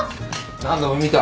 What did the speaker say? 何度も見た。